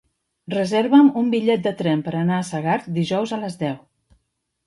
Reserva'm un bitllet de tren per anar a Segart dijous a les deu.